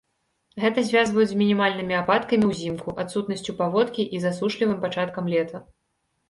Гэта звязваюць з мінімальнымі ападкамі ўзімку, адсутнасцю паводкі і засушлівым пачаткам лета.